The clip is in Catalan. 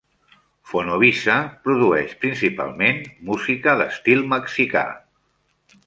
Fonovisa produeix principalment música d'estil mexicà.